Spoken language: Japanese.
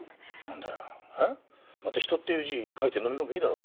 また「人」っていう字書いてのみ込めばいいだろ。